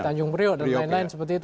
tanjung priok dan lain lain seperti itu